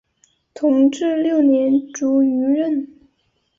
同治六年卒于任。